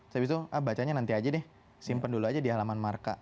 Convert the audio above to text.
habis itu bacanya nanti aja deh simpen dulu aja di halaman marka